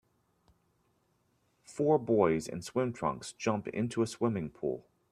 Four boys in swim trunks jump into a swimming pool.